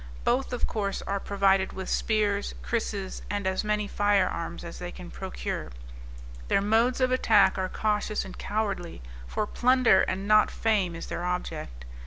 Both, of course, are provided with spears, krisses, and as many fire arms as they can procure. Their modes of attack are cautious and cowardly, for plunder and not fame is their object.